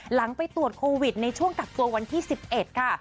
หลังไปตรวจโควิดในช่วงกักตัววันที่๑๑ค่ะ